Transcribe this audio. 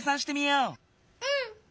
うん！